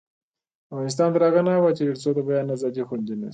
افغانستان تر هغو نه ابادیږي، ترڅو د بیان ازادي خوندي نشي.